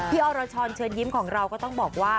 อรชรเชิญยิ้มของเราก็ต้องบอกว่า